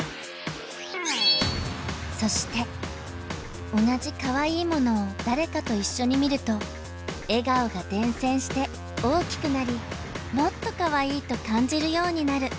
そして同じかわいいものを誰かと一緒に見ると笑顔が伝染して大きくなり「もっとかわいい」と感じるようになる。